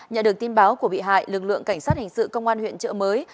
nhận được tin báo của bị hại lực lượng cảnh sát hình sự công an huyện trợ mới